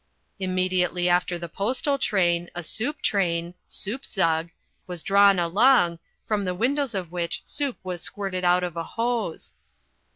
Immediately after the postal train, a soup train (Soup Zug) was drawn along, from the windows of which soup was squirted out of a hose.